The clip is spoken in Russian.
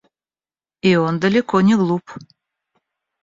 И он далеко не глуп.